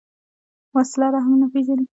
وسله رحم نه پېژني